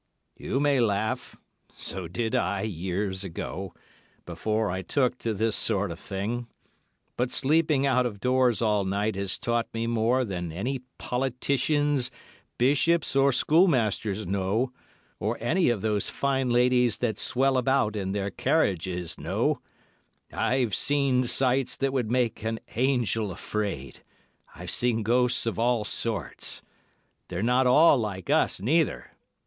"You may laugh—so did I years ago, afore I took to this sort of thing. But sleeping out of doors all night has taught me more than any politicians, bishops, or schoolmasters know; or any of those fine ladies that swell about in their carriages know; I've seen sights that would make an hangel afraid; I've seen ghosts of all sorts. They're not all like us, neither.